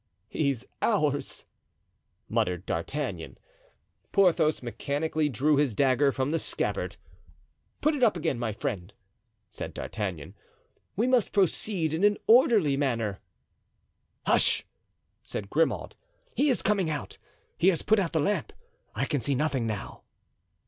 "He's ours," muttered D'Artagnan. Porthos mechanically drew his dagger from the scabbard. "Put it up again, my friend," said D'Artagnan. "We must proceed in an orderly manner." "Hush!" said Grimaud, "he is coming out. He has put out the lamp, I can see nothing now."